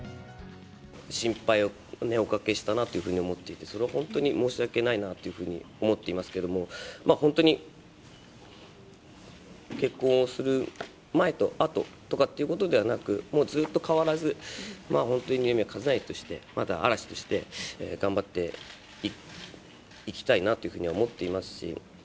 心配をおかけしたなというふうに思っていて、それは本当に申し訳ないなと思っていますけども、本当に、結婚をする前とあととかっていうことではなく、もうずっと変わらず、本当に二宮和也として、また嵐として頑張っていきたいなというふうに思っていますし。